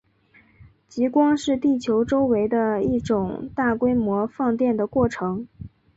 极光是地球周围的一种大规模放电的过程。